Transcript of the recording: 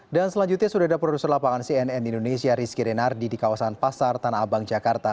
selanjutnya sudah ada produser lapangan cnn indonesia rizky renardi di kawasan pasar tanah abang jakarta